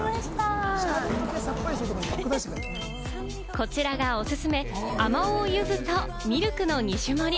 こちらがおすすめ、あまおう・柚子と、ミルクの２種盛り。